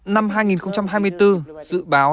năm hai nghìn hai mươi bốn dự báo